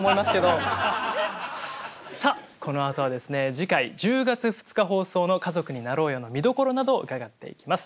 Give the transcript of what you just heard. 次回１０月２日放送の「家族になろうよ」の見どころなどを伺っていきます。